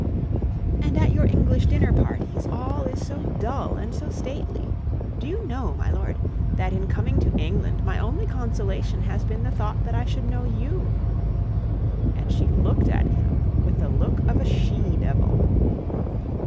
And at your English dinner parties all is so dull and so stately. Do you know, my lord, that in coming to England my only consolation has been the thought that I should know you;' and she looked at him with the look of a she devil.